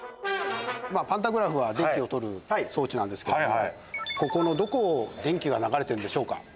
パンタグラフは電気をとる装置なんですけどもここのどこを電気が流れてるのでしょうか？